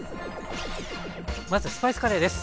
まずスパイスカレーです。